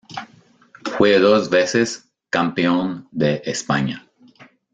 Fue dos veces campeón de España.